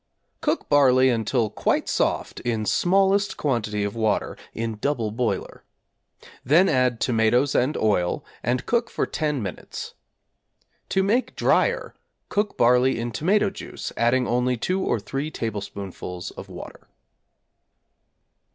Cook barley until quite soft in smallest quantity of water (in double boiler). Then add tomatoes and oil, and cook for 10 minutes. To make drier, cook barley in tomato juice adding only 2 or 3 tablespoonfuls of water.